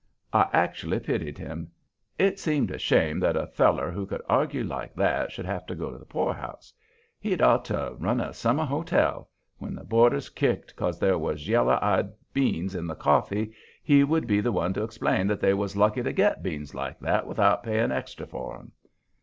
I actually pitied him. It seemed a shame that a feller who could argue like that should have to go to the poorhouse; he'd ought to run a summer hotel when the boarders kicked 'cause there was yeller eyed beans in the coffee he would be the one to explain that they was lucky to get beans like that without paying extra for 'em.